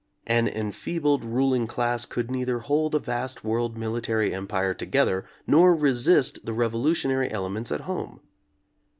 An enfeebled ruling class could neither hold a vast world military Empire together nor resist the revolutionary elements at home.